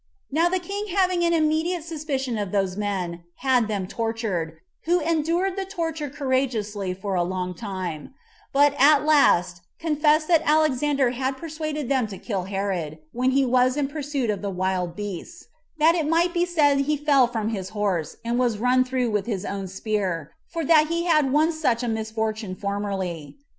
Now the king having an immediate suspicion of those men, had them tortured, who endured the torture courageously for a long time; but at last confessed that Alexander would have persuaded them to kill Herod, when he was in pursuit of the wild beasts, that it might be said he fell from his horse, and was run through with his own spear, for that he had once such a misfortune formerly.